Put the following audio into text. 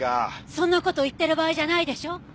そんな事言ってる場合じゃないでしょ！